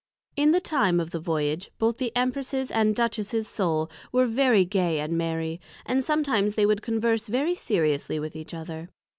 In time of the Voyage, both the Empress's and the Duchess's Soul, were very gay and merry; and sometimes they would converse very seriously with each other.